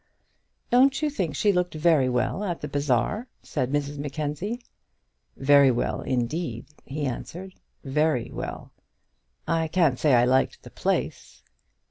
"Don't you think she looked very well at the Bazaar?" said Mrs Mackenzie. "Very well, indeed," he answered; "very well. I can't say I liked the place."